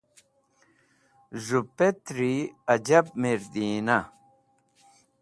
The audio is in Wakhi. z̃hu petr'i ajab mirdina